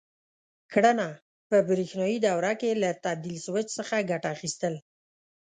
کړنه: په برېښنایي دوره کې له تبدیل سویچ څخه ګټه اخیستل: